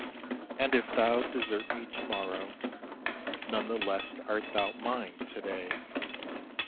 And if thou desert me to morrow, None the less art thou mine to day.